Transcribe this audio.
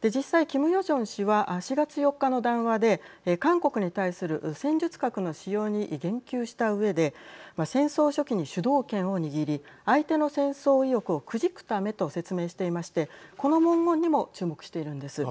実際キム・ヨジョン氏は４月４日の談話で韓国に対する戦術核の使用に言及したうえで戦争初期に主導権を握り相手の戦争意欲をくじくためと説明していましてこの文言にも注目しているんです。